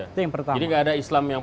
itu yang pertama jadi gak ada islam yang